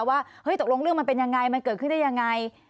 ว่าเฮ้ยตกลงเรื่องมันเป็นยังไงมันเกิดขึ้นได้ยังไง